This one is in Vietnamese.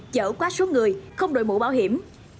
chở quá số người không đội mũ bảo hiểm